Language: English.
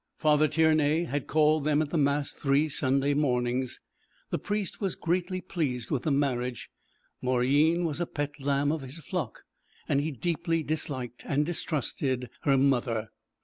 Father Tiernay had 'called' them at the mass three Sunday mornings. The priest was greatly pleased with the marriage. Mauryeen was a pet lamb of his flock, and he deeply disliked and distrusted her mother.